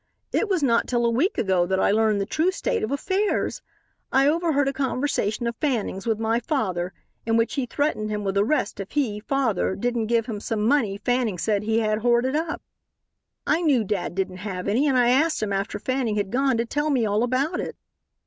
"It was not till a week ago that I learned the true state of affairs. I overheard a conversation of Fanning's with my father in which he threatened him with arrest if he, father, didn't give him some money Fanning said he had hoarded up. I knew dad didn't have any and I asked him after Fanning had gone to tell me all about it.